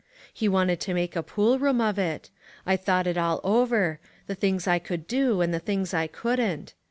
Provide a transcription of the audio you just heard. He wanted to make a pool room of it. I thought it all over; the things I could do and the things I couldn't.